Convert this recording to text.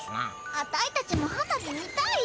アタイたちも花火見たいよ。